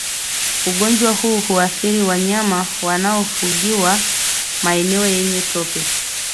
Ugonjwa huu huathiri wanyama wanaofungiwa maeneo yenye tope